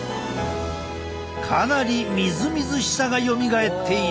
かなりみずみずしさがよみがえっている。